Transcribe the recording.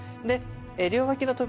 両脇の扉